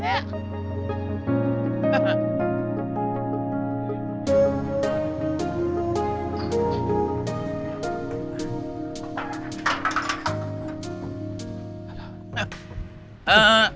mau buang ga nih